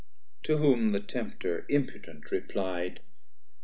To whom the Tempter impudent repli'd.